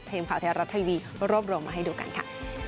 ทีมข่าวไทยรัฐทีวีรวบรวมมาให้ดูกันค่ะ